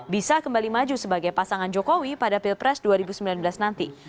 bisa kembali maju sebagai pasangan jokowi pada pilpres dua ribu sembilan belas nanti